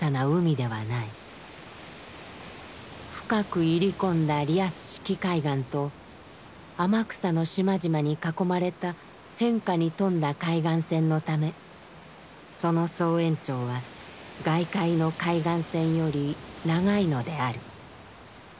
深く入り込んだリアス式海岸と天草の島々に囲まれた変化に富んだ海岸線のためその総延長は外界の海岸線より長いのである。